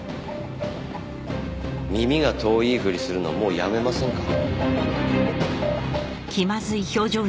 耳が遠いふりするのもうやめませんか？